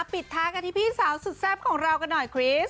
ปิดท้ายกันที่พี่สาวสุดแซ่บของเรากันหน่อยคริส